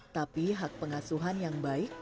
tapi hak pengasuhan yang baik